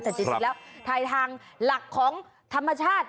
แต่จริงแล้วทายทางหลักของธรรมชาติ